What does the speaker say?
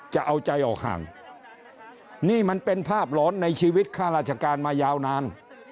จะเอาใจออกห่างนี่มันเป็นภาพหลอนในชีวิตข้าราชการมายาวนาน